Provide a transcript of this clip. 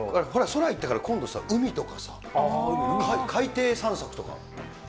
空行ったから今度さ、海とかさ、海底散策とか。